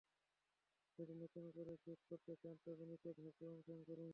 যদি নতুন করে যোগ করতে চান, তবে নিচের ধাপগুলো অনুসরণ করুন।